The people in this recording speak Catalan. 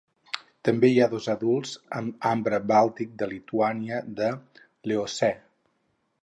També hi ha dos adults en ambre bàltic de Lituània de l'Eocè.